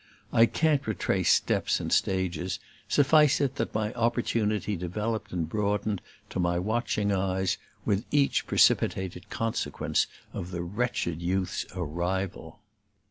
I can't retrace steps and stages; suffice it that my opportunity developed and broadened, to my watching eyes, with each precipitated consequence of the wretched youth's arrival.